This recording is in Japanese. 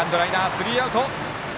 スリーアウト。